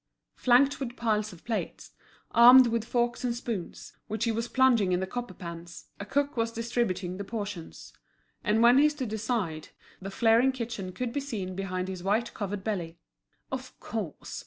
Flanked with piles of plates, armed with forks and spoons, which he was plunging in the copper pans, a cook was distributing the portions. And when he stood aside, the flaring kitchen could be seen behind his white covered belly. "Of course!"